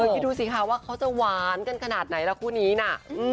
คิดดูสิคะว่าเขาจะหวานกันขนาดไหนล่ะคู่นี้น่ะ